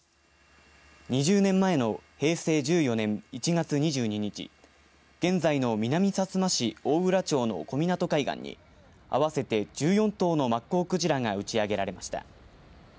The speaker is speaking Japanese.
２０年前の平成１４年１月２２日現在の南さつま市大浦町の小湊海岸に合わせて１４頭のマッコウクジラが打ち上げられました。